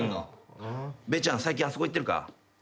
ベーちゃん最近あそこ行ってるか？